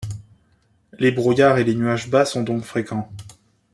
Les brouillards et les nuages bas sont donc fréquents.